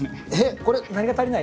これ何が足りない？